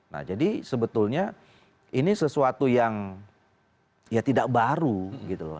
nah jadi sebetulnya ini sesuatu yang ya tidak baru gitu loh